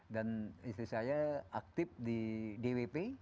dan istri saya aktif di dwp